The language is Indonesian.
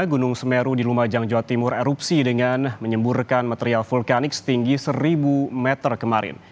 gunung semeru di lumajang jawa timur erupsi dengan menyemburkan material vulkanik setinggi seribu meter kemarin